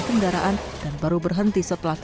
kendaraan dan baru berhenti setelah